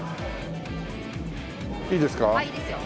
いいですか？